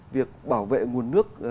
việc bảo vệ nguồn nước